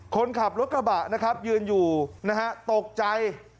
คนขับรถกระบะนะครับยืนอยู่นะฮะตกใจ